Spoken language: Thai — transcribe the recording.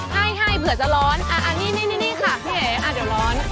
ให้เผื่อจะร้อนนี่ค่ะเดี๋ยวร้อน